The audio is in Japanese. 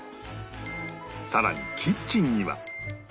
さらにキッチンには